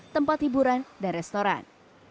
tempat hiburan dan restoran